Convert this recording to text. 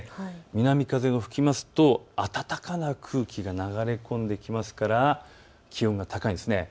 南風が吹くと暖かな空気が流れ込んできますから気温が高いんです。